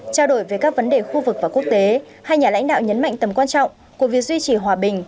trao đổi về các vấn đề khu vực và quốc tế hai nhà lãnh đạo nhấn mạnh tầm quan trọng của việc duy trì hòa bình